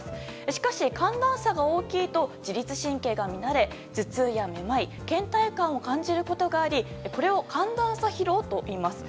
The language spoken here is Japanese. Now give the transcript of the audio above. しかし、寒暖差が大きいと自律神経が乱れ頭痛やめまい倦怠感を感じることがありこれを寒暖差疲労といいます。